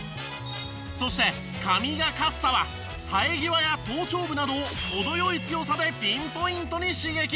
そしてカミガかっさは生え際や頭頂部などを程良い強さでピンポイントに刺激！